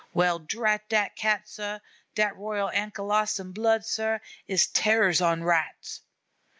"Well, drat dat Cat, sah; dat Royal Ankalostan blood, sah, is terrors on Rats."